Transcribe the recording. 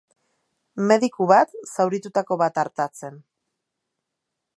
Mediku bat, zauritutako bat artatzen.